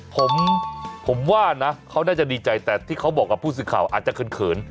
ผมผมว่านะเขาน่าจะดีใจแต่ที่เขาบอกกับผู้สื่อข่าวอาจจะเขิน